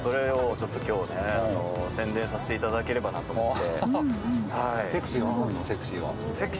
ちょっと今日宣伝させていただければなと思って。